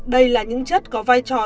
đây là những chất có vai trò